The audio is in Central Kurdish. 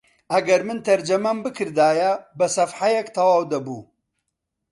ئەگەر من تەرجەمەم بکردایە بە سەفحەیەک تەواو دەبوو